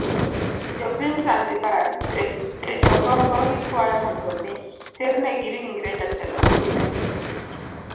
Jopiny zanziba seche ogogo gikwayo mondo mi terne ringre jatelono ginee